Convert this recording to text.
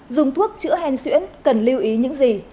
dùng thuốc chữa hen xuyễn cần lưu ý những gì